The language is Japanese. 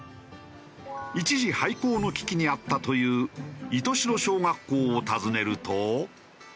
一時廃校の危機にあったという石徹白小学校を訪ねると。